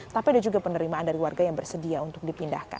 tapi ada juga penerimaan dari warga yang bersedia untuk dipindahkan